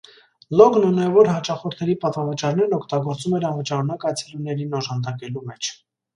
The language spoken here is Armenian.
Լոգն ունևոր հաճախորդների պատվավճարներն օգտագործում էր անվճարունակ այցելուներին օժանակելու մեջ։